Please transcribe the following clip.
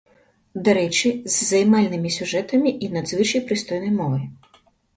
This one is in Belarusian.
Дарэчы, з займальнымі сюжэтамі і надзвычай прыстойнай мовай.